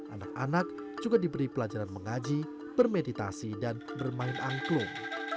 anak anak juga diberi pelajaran mengaji bermeditasi dan bermain angklung